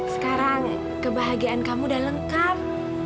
sekarang kebahagiaan kamu udah lengkap